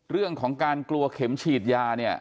เรื่องของการกลัวเข็มฉีดยาเนี่ย